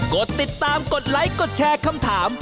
กดติดตามกดไลค์กดแชร์คำถาม